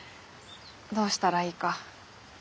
どうしたらいいか。